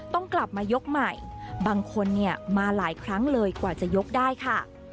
ต้องกลับมายกใหม่บางคนเนี่ยมาหลายครั้งเลยกว่าจะยกได้ค่ะ